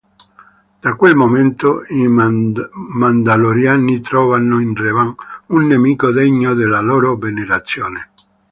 Da quel momento i Mandaloriani trovarono in Revan un nemico degno della loro venerazione.